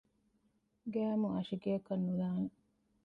ގައިމު އަށިގެއަކަށް ނުލާނެ